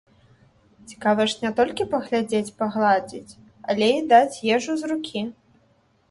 Цікава ж не толькі паглядзець, пагладзіць, але і даць ежу з рукі!